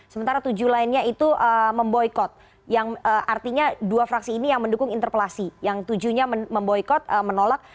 sementara tujuh lainnya itu memboykot yang artinya dua fraksi ini yang mendukung interpelasi yang tujuhnya memboykot menolak